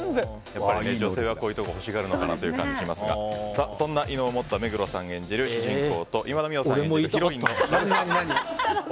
やっぱり女性はこういうところを欲しがるのかなと思いますがそんな異能を持った目黒さん演じる主人公と今田美桜さん演じる俺も。